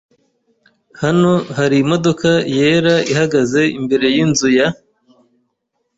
Hano hari imodoka yera ihagaze imbere yinzu ya .